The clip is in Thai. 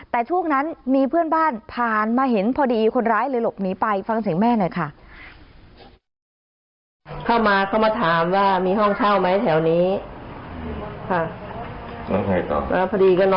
แต่ช่วงนั้นมีเพื่อนบ้านผ่านมาเห็นพอดีคนร้ายเลยหลบหนีไปฟังเสียงแม่หน่อยค่ะ